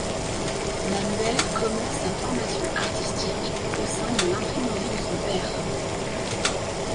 Manuel commence sa formation artistique au sein de l'imprimerie de son père.